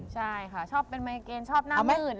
ใช่ค่ะชอบเป็นไมเกณฑ์ชอบหน้ามื่น